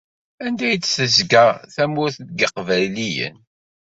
Anda i d-tezga tamurt n yeqbayliyen?